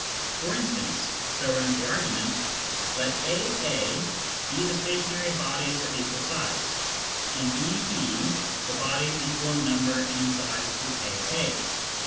For instance (so runs the argument), let A A ... be the stationary bodies of equal size, B B ... the bodies, equal in number and in size to A A